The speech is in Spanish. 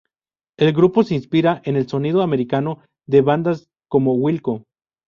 El grupo se inspira en el sonido americano de bandas como Wilco.